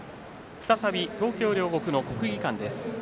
再び東京・両国の国技館です。